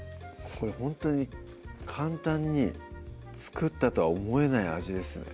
これほんとに簡単に作ったとは思えない味ですね